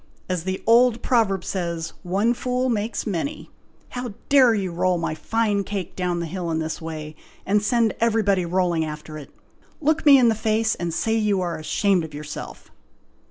As the old proverb says, 'one fool makes many.' How dare you roll my fine cake down the hill in this way, and send everybody rolling after it? Look me in the face, and say you are ashamed of yourself!"